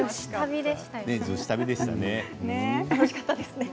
楽しかったですね。